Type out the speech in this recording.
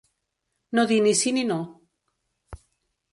No dir ni sí ni no.